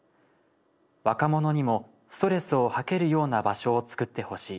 若者にもストレスを吐けるような場所を作って欲しい。